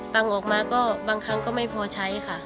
ออกมาก็บางครั้งก็ไม่พอใช้ค่ะ